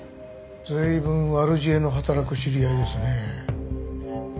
随分悪知恵の働く知り合いですね。